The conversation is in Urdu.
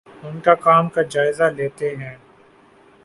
اُن کے کام کا جائزہ لیتے ہیں